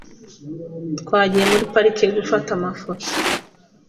Twagiye muri parike gufata amafoto .